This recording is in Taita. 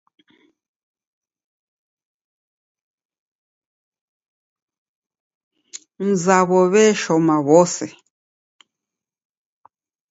Mzawo w'eshoma w'ose.